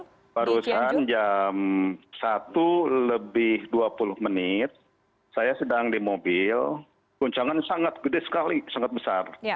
sekarang jam satu lebih dua puluh menit saya sedang di mobil kuncangan sangat besar